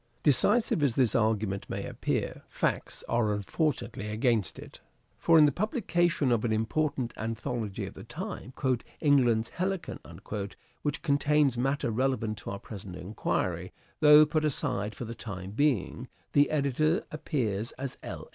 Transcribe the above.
Decisive as this argument may appear, facts are unfortunately against it ; for, in the publication of an important anthology of the time, " England's Helicon," which contains matter relevant to our present enquiry, though put aside for the time being, the editor appears as L.